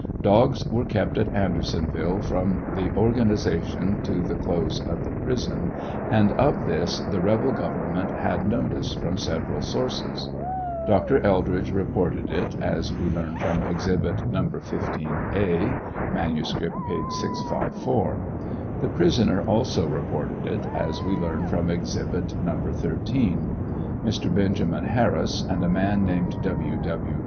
Dogs were kept at Andersonville from the organization to the close of the prison, and of this the rebel government had notice from several sources. Dr. Eldridge reported it, as we learn from Exhibit No. 15, A ; (manuscript, p. 654.) The pris oner also reported it, as we learn from Exhibit No. 13. Mr. Benjamin Harris and a man named W. W.